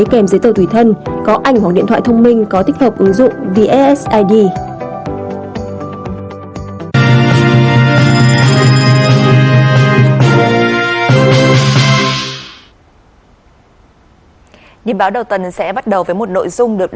kèm giấy tờ thủy thân có ảnh hoặc điện thoại thông minh có tích hợp ứng dụng vasid